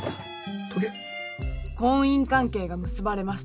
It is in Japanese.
婚姻関係が結ばれました。